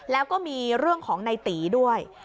แล้วก็มีเรื่องของในตีด้วย